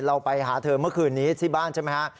เราไปหาเธอเมื่อคืนนี้ที่บ้านใช่ไหมฮะ